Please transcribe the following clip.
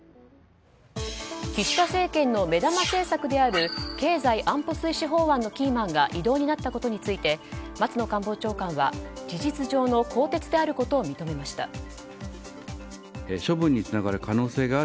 岸田政権の目玉政策である経済安保推進法案のキーマンが異動になったことについて松野官房長官は事実上の更迭であることを認めました。